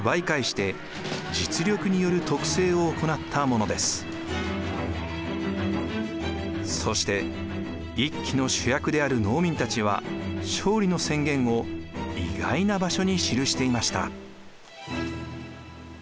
正長の土一揆はそして一揆の主役である農民たちは勝利の宣言を意外な場所に記していました。